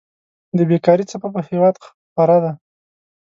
د بيکاري څپه په هېواد خوره ده.